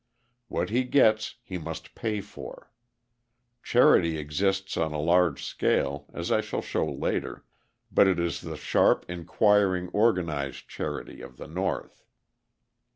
What he gets he must pay for. Charity exists on a large scale, as I shall show later, but it is the sharp, inquiring, organised charity of the North.